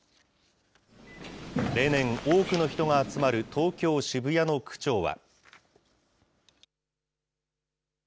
例年、多くの人が集まる東京・渋谷の区長は。